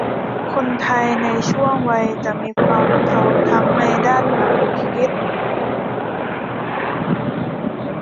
คนไทยในทุกช่วงวัยจะมีความพร้อมทั้งในด้านหลักคิด